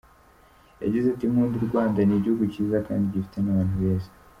Yagize ati “Nkunda u Rwanda, ni igihugu cyiza kandi gifite n’abantu beza.